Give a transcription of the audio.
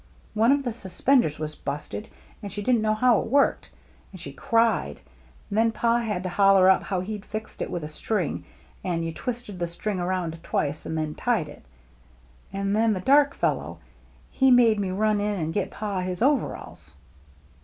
One of the suspenders was busted, and she didn't know how it worked, and she cried, and 286 THE MERRT ANNE then Pa had to holler up how he'd fixed it with a string and you twisted the string around twice and then tied it. And then the dark fellow, he made me run in and get Pa his overhauls."